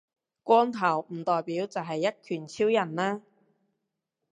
光頭唔代表就係一拳超人呀